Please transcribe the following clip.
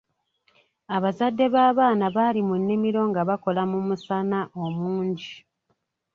Abazadde b'abaana baali mu nnimiro nga bakola mu musana omungi.